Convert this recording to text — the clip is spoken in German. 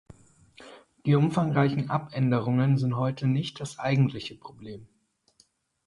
Die umfangreichen Abänderungen sind heute nicht das eigentliche Problem.